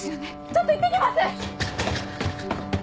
ちょっと行って来ます！